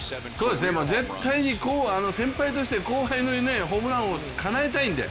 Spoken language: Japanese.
絶対に先輩として後輩のホームラン王かなえたいんで！